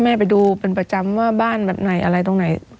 ไปดูเป็นประจำว่าบ้านแบบไหนอะไรตรงไหน